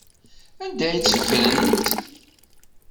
Anda ay tt-ffrent?